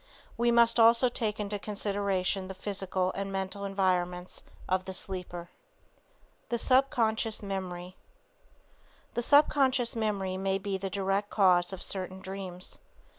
We must also take into consideration the physical and mental environments of the sleeper. THE SUBCONSCIOUS MEMORY The subconscious memory may be the direct cause of certain dreams.